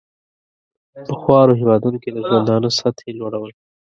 په خوارو هېوادونو کې د ژوندانه سطحې لوړول.